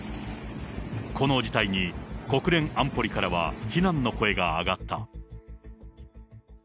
この事態に、国連安保理からは非難の声が上がった。